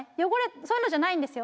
そういうのじゃないんですよ。